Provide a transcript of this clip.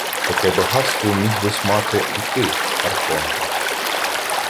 — Таке багатство міг би-с мати й ти, архонте...